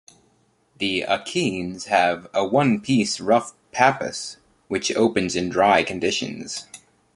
The achenes have a one-piece rough pappus which opens in dry conditions.